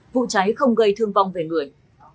vụ trái không gây thương vong về người